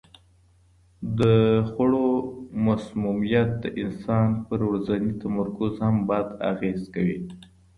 د خوړو مسمومیت د انسان پر ورځني تمرکز هم بد اغېز کوي.